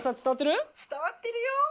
「伝わってるよ。